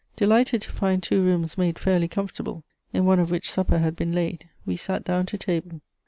Delighted to find two rooms made fairly comfortable, in one of which supper had been laid, we sat down to table.